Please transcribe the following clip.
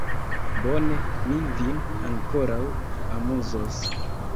Bone, mi vin ankoraŭ amuzos!